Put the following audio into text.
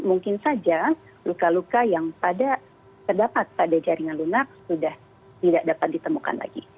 mungkin saja luka luka yang terdapat pada jaringan lunak sudah tidak dapat ditemukan lagi